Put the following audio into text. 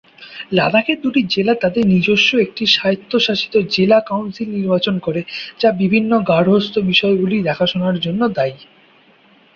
লাদাখের দুটি জেলা তাদের নিজস্ব একটি স্বায়ত্তশাসিত জেলা কাউন্সিল নির্বাচন করে যা বিভিন্ন গার্হস্থ্য বিষয়গুলি দেখাশোনার জন্য দায়ী।